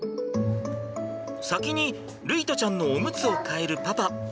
先に琉維斗ちゃんのおむつを替えるパパ。